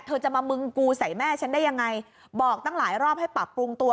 จะมามึงกูใส่แม่ฉันได้ยังไงบอกตั้งหลายรอบให้ปรับปรุงตัว